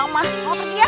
mau pergi ya